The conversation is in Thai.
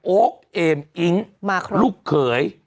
โอ๊คเอ็มอิ๊งลูกเขย